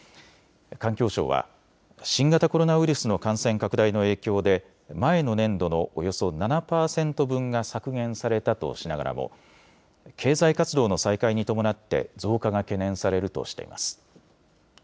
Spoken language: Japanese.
環境省は新型コロナウイルスの感染拡大の影響で前の年度のおよそ７％分が削減されたとしながらも経済活動の再開に伴って増加が懸念されるとしています。